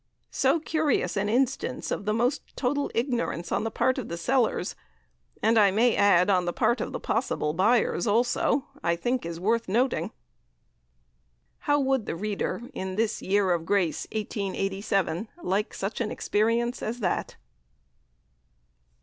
So curious an instance of the most total ignorance on the part of the sellers, and I may add on the part of the possible buyers also, I think is worth noting." How would the reader in this Year of Grace, 1887, like such an experience as that?